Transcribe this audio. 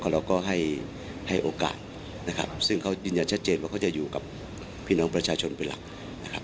แล้วเขาจะอยู่กับพี่น้องประชาชนเป็นหลัก